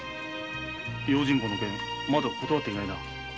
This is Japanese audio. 用心棒の件まだ断ってないな？